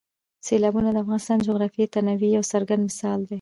سیلابونه د افغانستان د جغرافیوي تنوع یو څرګند مثال دی.